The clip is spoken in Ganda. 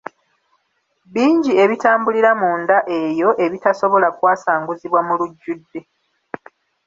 Bingi ebitambulira munda eyo ebitasobola kwasanguzibwa mu lujjudde.